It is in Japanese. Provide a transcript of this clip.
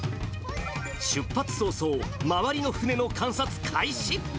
出発早々、周りの船の観察開始。